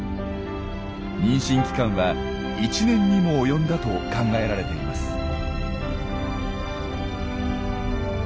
妊娠期間は１年にも及んだと考えられています。